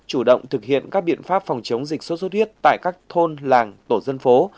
chủ động thực hiện các biện pháp phòng chống dịch sốt xuất huyết tại các thôn làng tổ dân phố